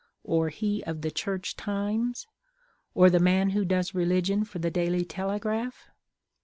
_ or he of the Church Times? or the man who does religion for the _Daily Telegraph?